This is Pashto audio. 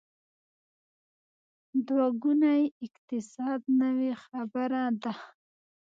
دوه ګونی اقتصاد نوې خبره ده.